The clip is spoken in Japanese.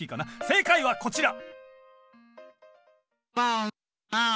正解はこちら！